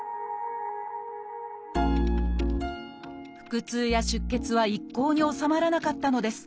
腹痛や出血は一向に治まらなかったのです。